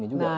nah itu dia